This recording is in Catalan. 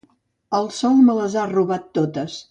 El sol me les ha robat totes.